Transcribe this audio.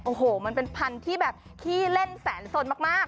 โอ้โหมันเป็นพันธุ์ที่แบบขี้เล่นแสนสนมาก